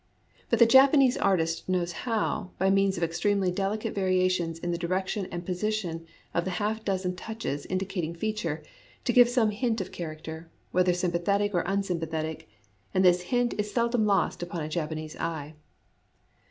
But the Japanese artist knows how, by means of extremely delicate variations in the direction and position of the half dozen touches indicating feature, to give some hint of character, whether symj)athetic or unsym pathetic; and this hint is seldom lost upon a Japanese eye.